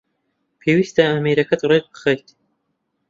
پێویستە ئامێرەکەت رێک بخەیت